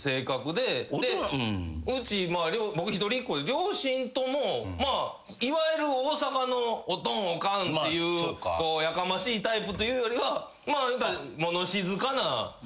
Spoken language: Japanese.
うち僕一人っ子で両親ともいわゆる大阪のおとんおかんっていうやかましいタイプというよりはいうたら。